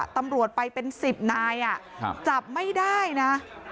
ตำรวจไปเป็น๑๐นายจับไม่ได้นะ